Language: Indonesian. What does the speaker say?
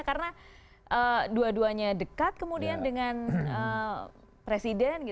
karena dua duanya dekat kemudian dengan presiden